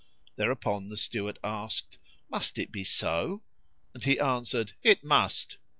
Thereupon the Steward asked, "Must it be so?"; and he answered, "It must."